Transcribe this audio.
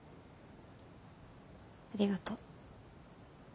ありがと。